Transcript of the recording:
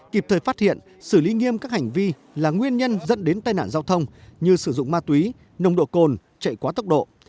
kịp thời phát hiện xử lý nghiêm các hành vi là nguyên nhân dẫn đến tai nạn giao thông như sử dụng ma túy nồng độ cồn chạy quá tốc độ